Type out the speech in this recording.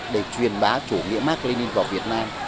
để truyền bá chủ nghĩa mạc lê ninh vào việt nam